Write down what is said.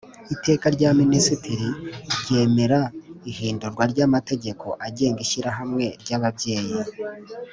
Iteka rya Minisitiri ryemera ihindurwa ry amategeko agenga Ishyirahamwe ry Ababyeyi